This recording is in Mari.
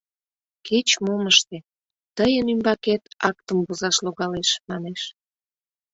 Кеч-мом ыште, тыйын ӱмбакет актым возаш логалеш, манеш.